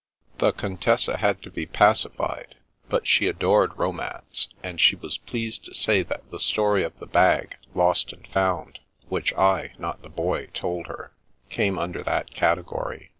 The Contessa had to be pacified, but she adored romance, and she was pleased to say that the story of the bag, lost and found, which I — ^not the Boy — told her, came under that category.